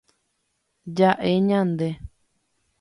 Ja'e ñande.